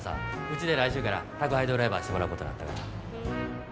うちで来週から宅配ドライバーしてもらうことになったから。